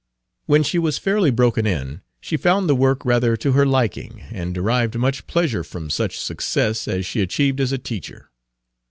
When she was fairly broken in, she found the work rather to her liking, and derived much pleasure from such success as she achieved as a teacher.